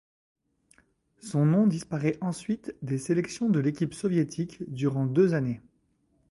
Son nom disparait ensuite des sélections de l'équipe soviétiques durant deux années.